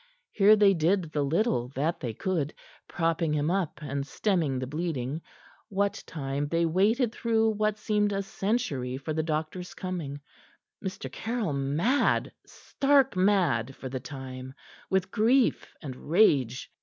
Here they did the little that they could; propping him up and stemming the bleeding, what time they waited through what seemed a century for the doctor's coming, Mr. Caryll mad stark mad for the time with grief and rage.